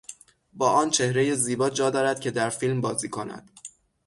با آن چهرهی زیبا جا دارد که در فیلم بازی کند!